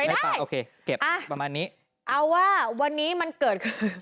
ไม่ดีรอเก็บแบมมานี้เอาว่าวันนี้มันเกิด